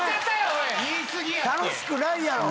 楽しくないやろ。